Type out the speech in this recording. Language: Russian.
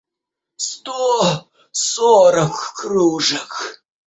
сто сорок кружек